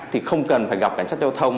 thì không cần phải gặp cảnh sát giao thông